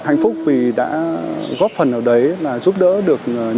hạnh phúc vì đã góp phần nào đấy là giúp đỡ được nhân dân